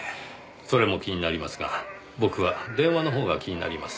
それも気になりますが僕は電話の方が気になります。